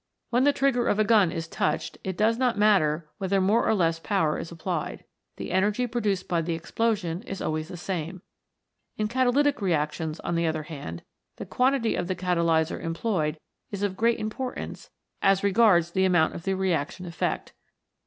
When the trigger of a gun is touched, it does not matter whether more or less power is applied. The energy produced by the explosion is always the same. In catalytic re actions, on the other hand, the quantity of the catalyser employed is of great importance as regards the amount of the reaction effect.